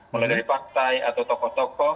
mulai dari partai atau tokoh tokoh